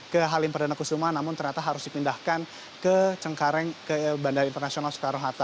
ke halim perdana kusuma namun ternyata harus dipindahkan ke cengkareng ke bandara internasional soekarno hatta